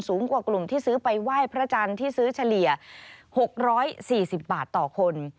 กว่ากลุ่มที่ซื้อไปไหว้พระจันทร์ที่ซื้อเฉลี่ย๖๔๐บาทต่อคน